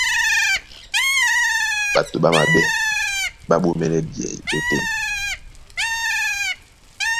Ɓato ɓá maɓɛ́ ɓá ɓomɛ́lɛ́ ɓeyɛy ótên.